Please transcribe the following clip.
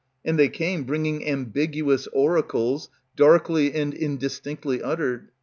And they came bringing ambiguous Oracles, darkly and indistinctly uttered.